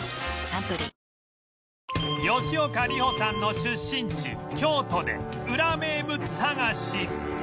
サントリー吉岡里帆さんの出身地京都でウラ名物探し